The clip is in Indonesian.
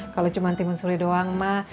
kalau cuma timun suri doang mah